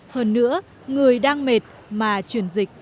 hơn nữa người đang mệt mà truyền dịch